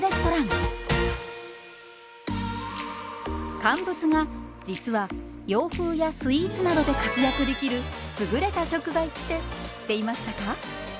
乾物が実は洋風やスイーツなどで活躍できる優れた食材って知っていましたか？